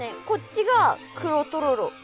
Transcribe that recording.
こっちが黒とろろ。